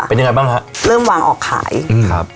เป็นยังไงบ้างฮะเริ่มวางออกขายอืมครับ